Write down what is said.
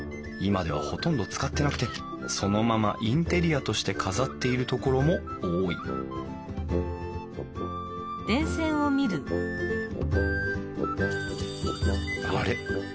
今ではほとんど使ってなくてそのままインテリアとして飾っているところも多いあれ？